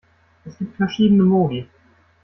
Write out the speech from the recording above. Es gibt verschiedene Modi.